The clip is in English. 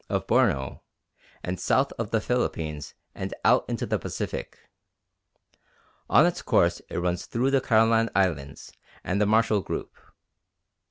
of Borneo and south of the Philippines and out into the Pacific. On its course it runs through the Caroline Islands and the Marshall Group.